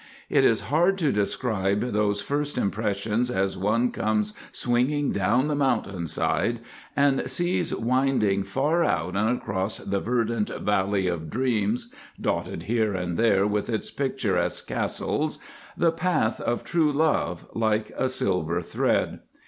It is hard to describe those first impressions as one comes swinging down the mountainside and sees winding far out and across the verdant Valley of Dreams, dotted here and there with its picturesque castles, the Path of True Love like a silver thread.